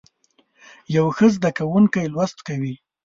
یو ښه زده کوونکی لوست کوي.